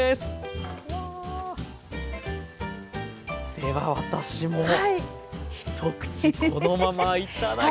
では私も一口このままいただきます。